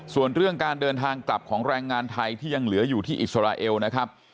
ส่วนเรื่องการเดินทางกลับของแรงงานไทยที่ยังเหลืออยู่ที่อิสราเอลนะครับ